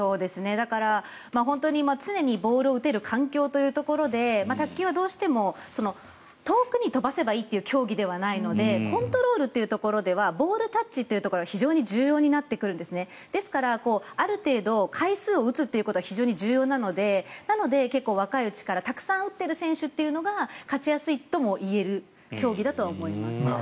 だから、常にボールを打てる環境というところで卓球はどうしても遠くに飛ばせばいいという競技ではないのでコントロールというところではボールタッチというのが非常に重要になってくるんですねですから、ある程度回数を打つということは非常に重要なので結構、若いうちからたくさん打っている選手というのが勝ちやすいとも言える競技だとは思いますね。